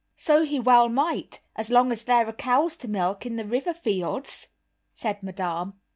"So he well might, as long as there are cows to milk in the river fields," said Madame.